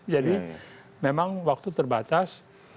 jadi memang waktu terbatas